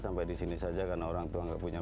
sampai di sini saja karena orang tua nggak punya